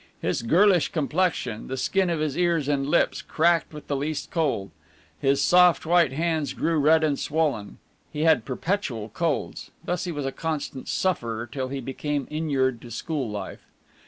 His girlish complexion, the skin of his ears and lips, cracked with the least cold. His soft, white hands grew red and swollen. He had perpetual colds. Thus he was a constant sufferer till he became inured to school life.